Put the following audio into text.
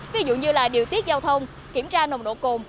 ví dụ như là điều tiết giao thông kiểm tra nồng độ cồn